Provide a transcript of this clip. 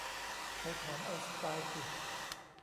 ไปถามไอน์สไตน์สิ